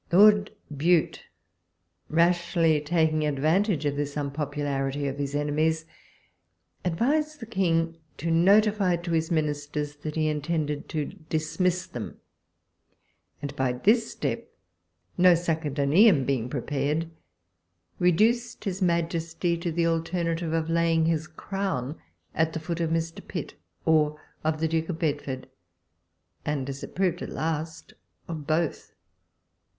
Lord Bute rashly taking advantage of this unpopulai'ity of his enemies, advised the King to notify to his Ministers that he intended to dismiss them— and by this step, no succedaneum being prepared, reduced his Majesty to the alternative of laying his crown at the foot of Mr. Pitt, or of the Duke of Bedford ; and as it proved at last, of both.